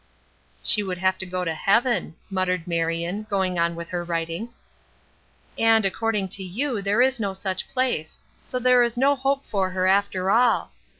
"She would have to go to heaven," muttered Marion, going on with her writing. "And, according to you, there is no such place; so there is no hope for her, after all.